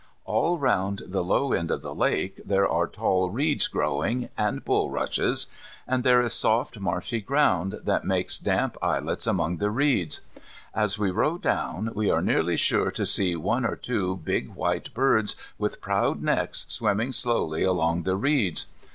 All round the low end of the lake there are tall reeds growing and bulrushes, and there is soft marshy ground that make damp islets among the reeds. As we row down we are nearly sure to see one or two big white birds with proud necks swimming slowly along the reeds.